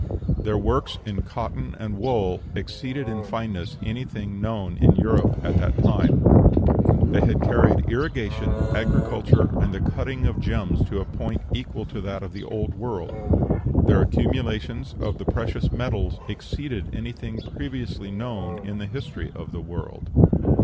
Their works in cotton and wool exceeded in fineness anything known in Europe at that time. They had carried irrigation, agriculture, and the cutting of gems to a point equal to that of the Old World. Their accumulations of the precious metals exceeded anything previously known in the history of the world.